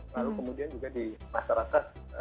lalu kemudian juga di masyarakat